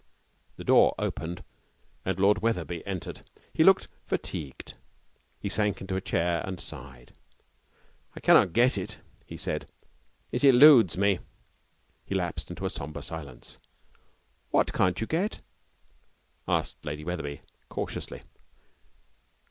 The door opened and Lord Wetherby entered. He looked fatigued. He sank into a chair and sighed. 'I cannot get it,' he said. 'It eludes me.' He lapsed into a sombre silence. 'What can't you get?' said Lady Wetherby, cautiously.